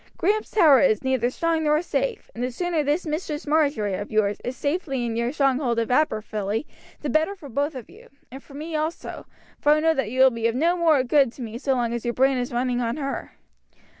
Graham's tower is neither strong nor safe, and the sooner this Mistress Marjory of yours is safely in your stronghold of Aberfilly the better for both of you, and for me also, for I know that you will be of no more good to me so long as your brain is running on her.